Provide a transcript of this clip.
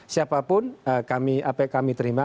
siapapun kami terima